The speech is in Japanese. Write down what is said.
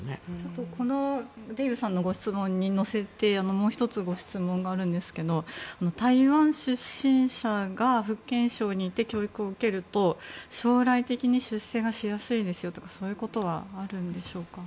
そのデーブさんのご質問に乗せてもう１つ、質問があるんですが台湾出身者が福建省に行って教育を受けると将来的に出世がしやすいですよとかそういうことはあるんでしょうか。